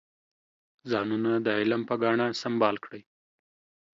ځانونه د علم په ګاڼه سنبال کړئ.